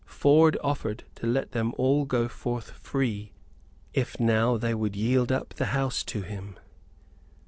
Ford offered to let them all go forth free, if now they would yield up the house to him.